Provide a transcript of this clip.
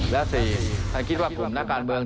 และ๔ถ้าคิดว่ากลุ่มนักการเมือง